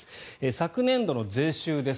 昨年度の税収です。